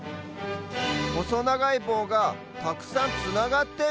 ほそながいぼうがたくさんつながってる？